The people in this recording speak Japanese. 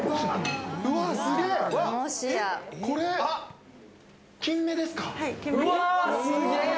これ、キンメですか？